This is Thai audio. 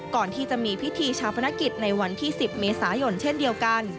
ก่อนที่จะมีพิธีชาปนกิจในวันที่๑๐เมษายนเช่นเดียวกัน